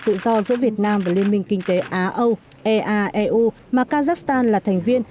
tự do giữa việt nam và liên minh kinh tế á âu ea eu mà kazakhstan là thành viên